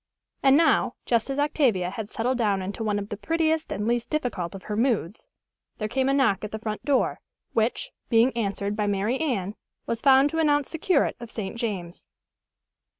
And now, just as Octavia had settled down into one of the prettiest and least difficult of her moods, there came a knock at the front door, which, being answered by Mary Anne, was found to announce the curate of St. James.